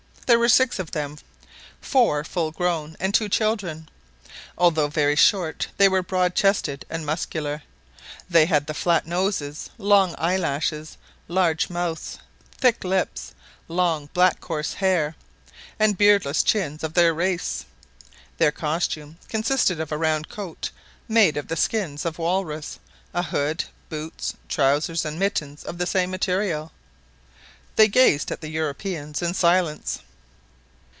There were six of them four full grown, and two children. Although very short, they were broad chested and muscular. They had the flat noses, long eye lashes, large mouths, thick lips, long black coarse hair, and beardless chins of their race. Their costume consisted of a round coat made of the skin of the walrus, a hood, boots, trousers, and mittens of the same material. They gazed at the Europeans in silence.